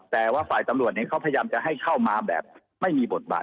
แต่ว่าฝ่ายตำรวจเขาพยายามจะให้เข้ามาแบบไม่มีบทบาท